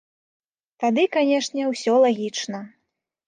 Тады, канешне, усё лагічна.